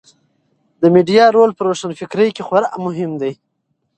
د میډیا رول په روښانفکرۍ کې خورا مهم دی.